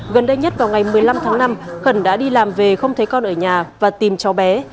gần đây nhất vào ngày một mươi năm tháng năm khẩn đã đi làm về không thấy con ở nhà và tìm cháu bé